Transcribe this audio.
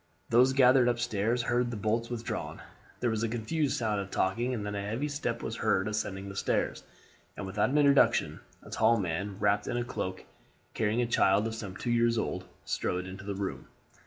Those gathered up stairs heard the bolts withdrawn. There was a confused sound of talking and then a heavy step was heard ascending the stairs, and without introduction a tall man, wrapped in a cloak and carrying a child of some two years old, strode into the room.